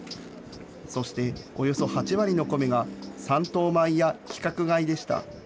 そしておよそ８割のコメが３等米や規格外でした。